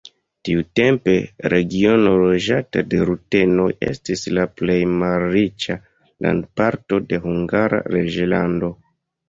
Tiutempe regiono loĝata de rutenoj estis la plej malriĉa landparto de Hungara reĝlando.